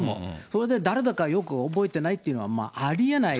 それで誰だかよく覚えてないというのは、まあ、ありえない。